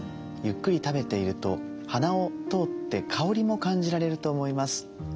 ゆっくり食べていると鼻を通って香りも感じられると思います。